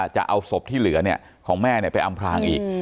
จะเอาศพที่เหลือของแม่ไปอำพลางอีก